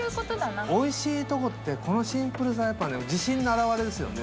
おいしいとこってこのシンプルさがやっぱね自信の表れですよね